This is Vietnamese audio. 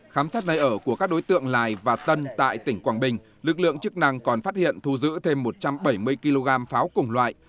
khám xét nơi ở của các đối tượng lài và tân tại tỉnh quảng bình lực lượng chức năng còn phát hiện thu giữ thêm một trăm bảy mươi kg pháo cùng loại